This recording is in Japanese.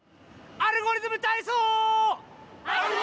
「アルゴリズムたいそう」！